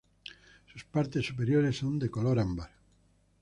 Sus partes superiores son de color ámbar.